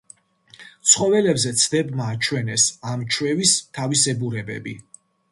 ცხოველებზე ცდებმა აჩვენეს, ამ ჩვევის თავისებურებები.